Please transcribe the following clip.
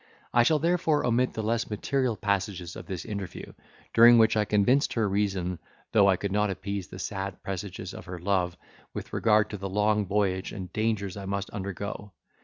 I shall therefore omit the less material passages of this interview, during which I convinced her reason, though I could not appease the sad presages of her love, with regard to the long voyage and dangers I must undergo.